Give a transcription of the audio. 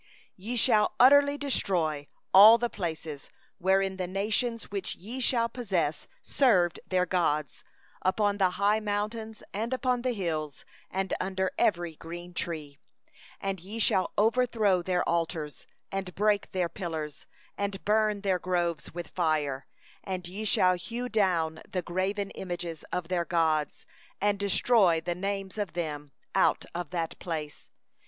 2Ye shall surely destroy all the places, wherein the nations that ye are to dispossess served their gods, upon the high mountains, and upon the hills, and under every leafy tree. 3And ye shall break down their altars, and dash in pieces their pillars, and burn their Asherim with fire; and ye shall hew down the graven images of their gods; and ye shall destroy their name out of that place.